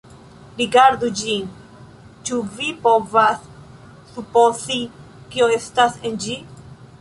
Rigardu ĝin; ĉu vi povas supozi kio estas en ĝi?